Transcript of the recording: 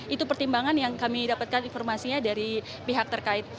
itu pertimbangan yang kami dapatkan informasinya dari pihak terkait